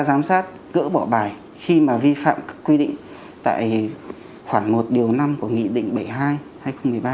giám sát gỡ bỏ bài khi mà vi phạm các quy định tại khoảng một điều năm của nghị định bảy mươi hai hai nghìn một mươi ba